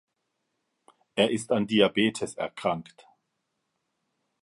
Er ist an Diabetes erkrankt.